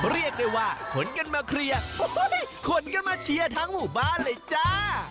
เรียกได้ว่าขนกันมาเคลียร์คนก็มาเชียร์ทั้งหมู่บ้านเลยจ้า